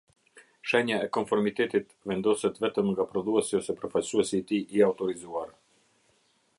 Shenja e konformitetit vendoset vetëm nga prodhuesi ose përfaqësuesi i tij i autorizuar.